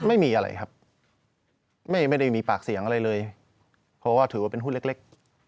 ไม่มีอะไรครับไม่ได้มีปากเสียงอะไรเลยเพราะว่าถือว่าเป็นหุ้นเล็ก